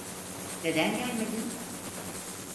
Neden gelmedin?